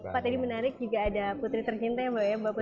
pak tadi menarik juga ada putri tercinta ya mbak ya mbak putri